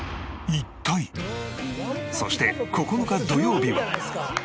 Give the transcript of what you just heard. そして９日土曜日は。